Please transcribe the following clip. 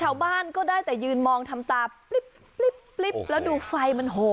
ถ้าไม่ผิดชาวบ้านก็ได้แต่ยืนมองทำตาปลิบปลิบปลิบแล้วดูไฟมันโห